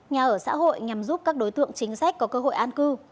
nhà ở xã hội nhằm giúp các đối tượng chính sách có cơ hội an cư